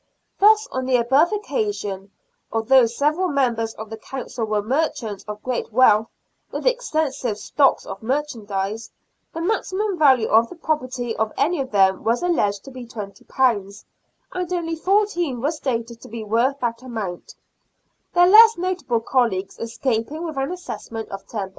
Thus on the above occasion, although several members of the Council were merchants of great wealth, with extensive stocks of merchandise, the maxi mum value of the property of any of them was alleged to be £20, and only fourteen were stated to be worth that amount, their less notable colleagues escaping with an assessment of £10.